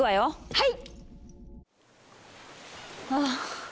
はい。